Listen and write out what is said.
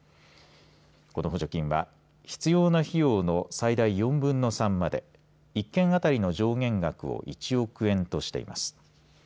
この補助金は必要な費用の最大４分の３まで１件当たりの上限額を１億円としています。